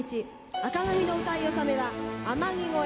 紅組の歌い納めは「天城越え」